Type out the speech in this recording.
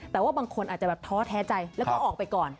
แต่ว่าบางคนอาจจะแบบท้อแท้ใจแล้วก็ออกไปก่อน